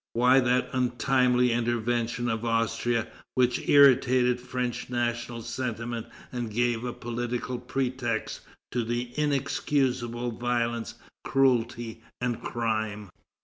Why that untimely intervention of Austria which irritated French national sentiment and gave a political pretext to inexcusable violence, cruelty, and crime?